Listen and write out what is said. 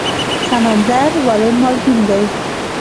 سمندر ولې مالګین دی؟